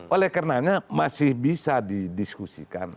oleh karenanya masih bisa didiskusikan